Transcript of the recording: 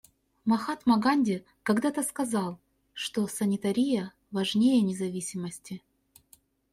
Махатма Ганди когда-то сказал, что «санитария важнее независимости».